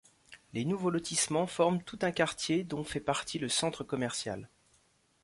Les nouveaux lotissements forment tout un quartier dont fait partie le centre commercial.